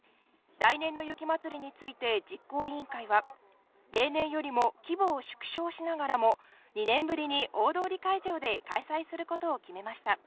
来年の雪まつりについて実行委員会は例年よりも規模を縮小しながらも２年ぶりに大通会場で開催することを決めました。